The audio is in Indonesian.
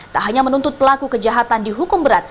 tak hanya menuntut pelaku kejahatan di hukum berat